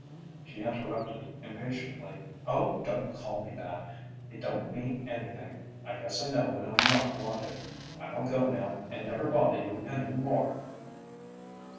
She interrupted impatiently: "Oh, don't call me that. It don't mean anything. I guess I know when I'm not wanted. I'll go now and never bother you any more."